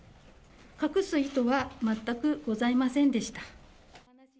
隠す意図は全くございませんでした。